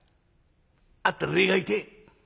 会ったら礼が言いてえ。